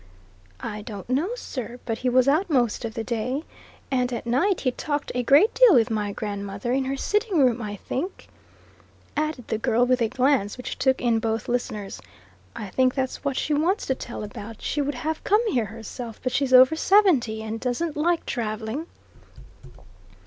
"I don't know, sir but he was out most of the day. And at night he talked a great deal with my grandmother, in her sitting room, I think," added the girl with a glance which took in both listeners. "I think that's what she wants to tell about. She would have come here herself, but she's over seventy and doesn't like travelling."